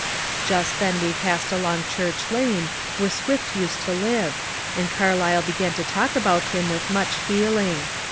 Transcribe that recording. Just then we passed along Church Liane, where Swift used to live, and Carlyle began to talk about him with much feeling.